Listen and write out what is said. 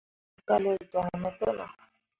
Galle joŋ me te nah.